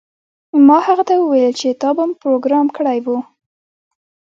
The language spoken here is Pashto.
ما هغه ته وویل چې تا بم پروګرام کړی و